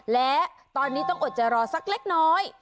และตอนนี้ต้องอดใจรอสักเล็กน้อย